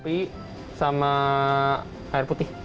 kopi sama air putih